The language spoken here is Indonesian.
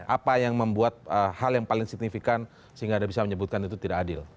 apa yang membuat hal yang paling signifikan sehingga anda bisa menyebutkan itu tidak adil